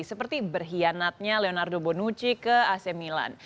seperti berkhianatnya leonardo bonucci ke ac milan